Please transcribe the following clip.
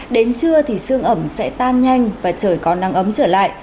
đến trưa thì xương ẩm sẽ tan nhanh và trời còn nắng ấm trở lại